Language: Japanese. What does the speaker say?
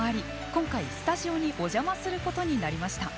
今回スタジオにおじゃますることになりました。